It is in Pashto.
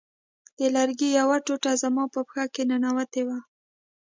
د لرګي یوه ټوټه زما په پښه ننوتې وه